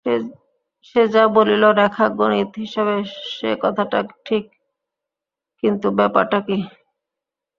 সে যা বলিল রেখাগণিত-হিসাবে সে কথাটা ঠিক, কিন্তু ব্যাপারটা কী?